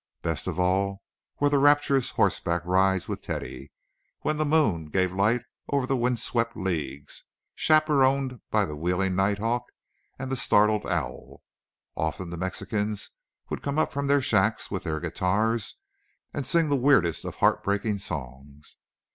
Best of all were the rapturous horseback rides with Teddy, when the moon gave light over the wind swept leagues, chaperoned by the wheeling night hawk and the startled owl. Often the Mexicans would come up from their shacks with their guitars and sing the weirdest of heart breaking songs.